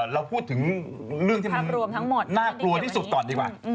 เราพูดถึงเรื่องที่มันน่ากลัวที่สุดต่อดีกว่า